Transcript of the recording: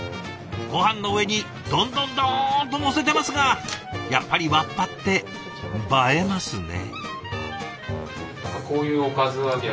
ごはんの上にどんどんどんと載せてますがやっぱりわっぱって映えますね。